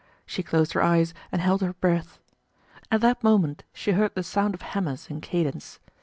She closed her eyes and held her breath. At that moment she heard the sound of hammers in cadence.